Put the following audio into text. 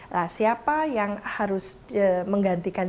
nah siapa yang harus menggantikan